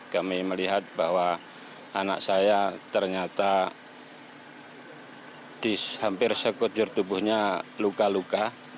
kami melihat bahwa anak saya ternyata di hampir sekujur tubuhnya luka luka